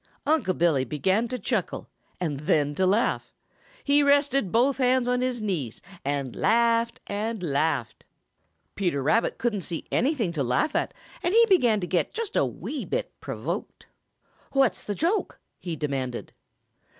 Unc' Billy began to chuckle and then to laugh. He rested both hands on his knees and laughed and laughed. Peter Rabbit couldn't see anything to laugh at and he began to get just a wee bit provoked. "What's the joke?" he demanded.